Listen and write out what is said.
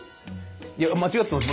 いや間違ってます